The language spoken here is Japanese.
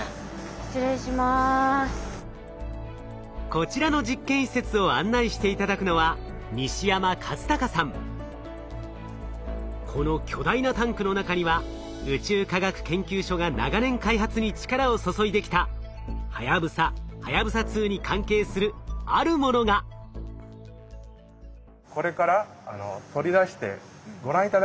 こちらの実験施設を案内して頂くのはこの巨大なタンクの中には宇宙科学研究所が長年開発に力を注いできたはやぶさはやぶさ２に関係するあるものが！えっ！